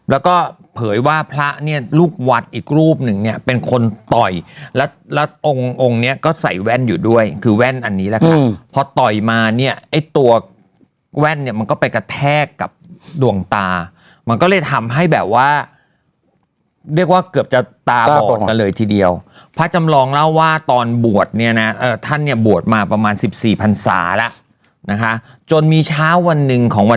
แล้วก็เผยว่าพระเนี้ยลูกวัดอีกรูปหนึ่งเนี้ยเป็นคนต่อยแล้วแล้วองค์องค์เนี้ยก็ใส่แว่นอยู่ด้วยคือแว่นอันนี้แหละค่ะพอต่อยมาเนี้ยไอ้ตัวแว่นเนี้ยมันก็ไปกระแทกกับด่วงตามันก็เลยทำให้แบบว่าเรียกว่าเกือบจะตาบ่อนกันเลยทีเดียวพระจำรองเล่าว่าตอนบวชเนี้ยน่ะเออท่านเนี้ยบวชมาประมาณ